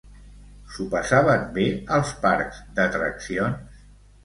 S'ho passaven bé als parcs d'atraccions?